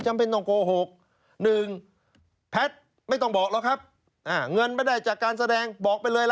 อันนี้จบ